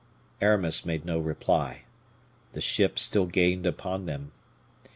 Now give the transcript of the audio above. Aramis made no reply; the ship still gained upon them.